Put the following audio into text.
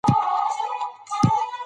لار د خټو نه پاکه شوه.